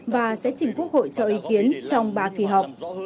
và sẽ chỉnh quốc hội cho ý kiến trong ba kỳ họp